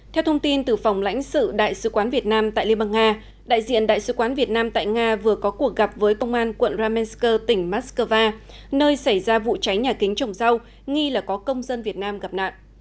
theo thông tin từ phòng lãnh sự đại sứ quán việt nam tại liên bang nga đại diện đại sứ quán việt nam tại nga vừa có cuộc gặp với công an quận ramensko tỉnh moscow nơi xảy ra vụ cháy nhà kính trồng rau nghi là có công dân việt nam gặp nạn